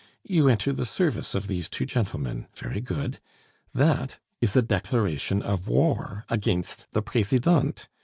You enter the service of these two gentlemen. Very good! That is a declaration of war against the Presidente.